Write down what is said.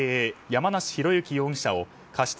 山梨広之容疑者を過失